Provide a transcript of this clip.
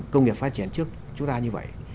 công nghiệp phát triển trước chúng ta như vậy